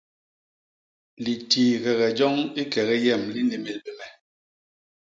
Litiigege joñ i kegi yem li nlémél bé me.